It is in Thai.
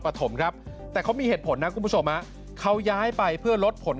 ปฐมครับแต่เขามีเหตุผลนะคุณผู้ชมเขาย้ายไปเพื่อลดผล